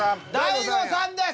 大悟さんです。